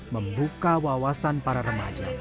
membuka wawasan para remaja